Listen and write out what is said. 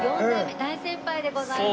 大先輩でございます